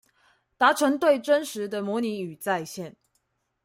達成對真實的模擬與再現